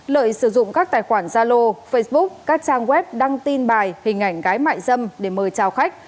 lợi sử dụng các tài khoản gia lô facebook các trang web đăng tin bài hình ảnh gái mại dâm để mời trao khách